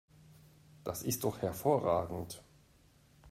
Das ist doch hervorragend!